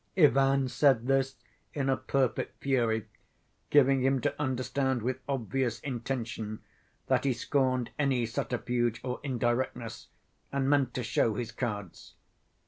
Ivan said this in a perfect fury, giving him to understand with obvious intention that he scorned any subterfuge or indirectness and meant to show his cards.